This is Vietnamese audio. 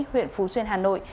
huyện phú chuyên hà nội